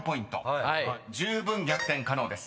［じゅうぶん逆転可能です。